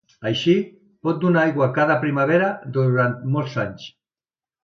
Així, pot donar aigua cada primavera durant molts anys.